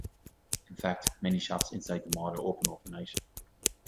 In fact, many shops inside the mall are open overnight.